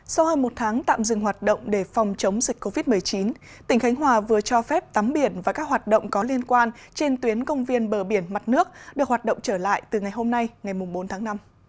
sau hơn một tháng tạm dừng hoạt động để phòng chống dịch covid một mươi chín tỉnh khánh hòa vừa cho phép tắm biển và các hoạt động có liên quan trên tuyến công viên bờ biển mặt nước được hoạt động trở lại từ ngày hôm nay ngày bốn tháng năm